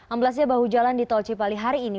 amblasnya bahu jalan di tol cipali hari ini